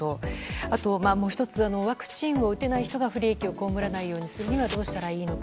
もう１つワクチンを打てない人が不利益を被らないためにはどうしたらいいのか。